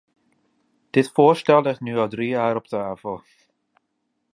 Dit voorstel ligt nu al drie jaar op tafel.